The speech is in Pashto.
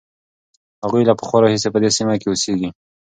هغوی له پخوا راهیسې په دې سیمه کې اوسېږي.